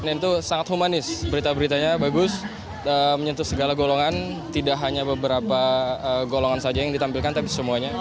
itu sangat humanis berita beritanya bagus menyentuh segala golongan tidak hanya beberapa golongan saja yang ditampilkan tapi semuanya